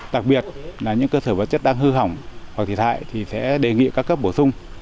đặc biệt là những cơ sở vật chất đang hư hỏng hoặc thiệt hại thì sẽ đề nghị các cấp bổ sung